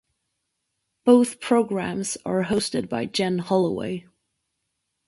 Both programs are hosted by Jenn Holloway.